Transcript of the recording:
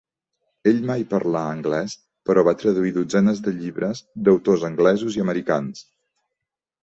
Ell mai parlà anglès, però va traduir dotzenes de llibres d'autors anglesos i americans.